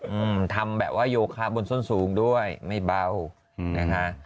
อืมทำแบบว่าโยคะบนส้นสูงด้วยไม่เบาอืมนะคะ